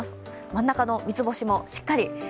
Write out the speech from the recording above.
真ん中の三つ星もしっかり。